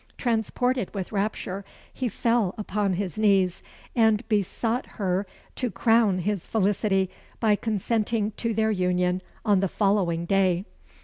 Transported with rapture, he fell upon his knees, and besought her to crown his felicity by consenting to their union on the following day.